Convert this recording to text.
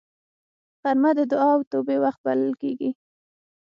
غرمه د دعا او توبې وخت بلل کېږي